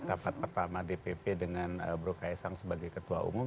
rapat pertama dpp dengan bro kaisang sebagai ketua umum